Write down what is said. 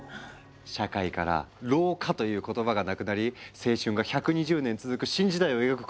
社会から老化という言葉がなくなり青春が１２０年続く新時代を描くこの漫画！